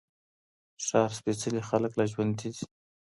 ښار سپېڅلي خلګ لا ژونـدي دي